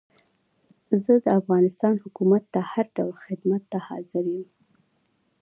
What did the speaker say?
زه د افغانستان حکومت ته هر ډول خدمت ته حاضر یم.